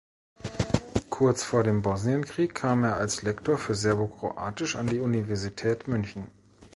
Kurz vor dem Bosnienkrieg kam er als Lektor für Serbokroatisch an die Universität München.